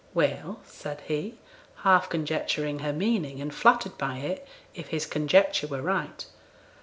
'Well!' said he, half conjecturing her meaning, and flattered by it, if his conjecture were right.